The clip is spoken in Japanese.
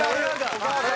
お母さんが。